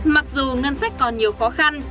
mặc dù ngân sách còn nhiều khó khăn